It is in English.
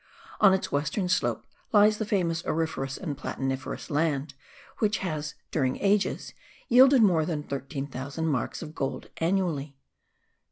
On its western slope lies the famous auriferous and platiniferous land,* which has during ages yielded more than 13,000 marks of gold annually.